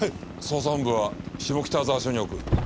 捜査本部は下北沢署に置く。